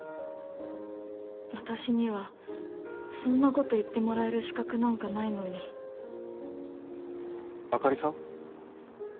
私にはそんなこと言ってもらえる資格なんかないのにあかりさん？